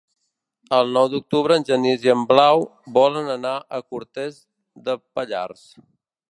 El nou d'octubre en Genís i na Blau volen anar a Cortes de Pallars.